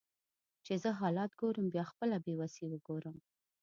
چې زه حالات ګورم بیا خپله بیوسي وګورم